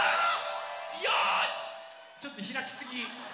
ちょっとひらきすぎ。